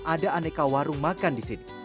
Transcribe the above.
ada aneka warung makan di sini